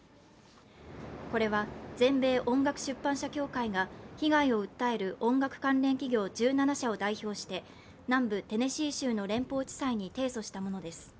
これは全米音楽出版社協会が被害を訴える音楽関連企業１７社を代表して南部テネシー州の連邦地裁に提訴したものです。